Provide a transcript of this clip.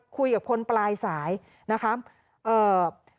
คุยกับคนปลายสายนะคะ